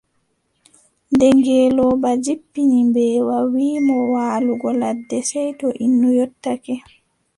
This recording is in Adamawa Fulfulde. Nde ngeelooba jippini mbeewa wii mo waalugo ladde, sey to innu yottake.